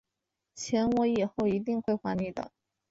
钱我以后一定会还你的